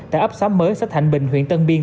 tại ấp xóm mới xã thạnh bình huyện tân biên